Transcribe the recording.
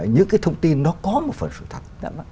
những cái thông tin nó có một phần sự thật